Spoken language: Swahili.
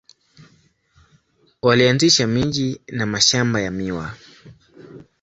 Walianzisha miji na mashamba ya miwa.